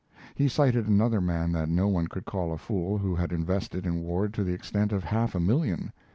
He cited another man that no one could call a fool who had invested in Ward to the extent of half a million.